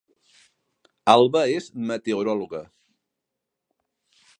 Alba és meteoròloga